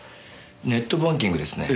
ネットバンキングですね。